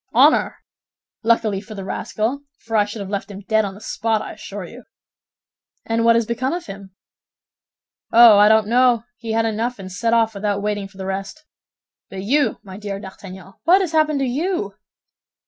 "Honor! Luckily for the rascal, for I should have left him dead on the spot, I assure you." "And what has became of him?" "Oh, I don't know; he had enough, and set off without waiting for the rest. But you, my dear D'Artagnan, what has happened to you?"